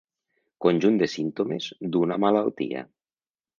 Conjunt de símptomes d'una malaltia.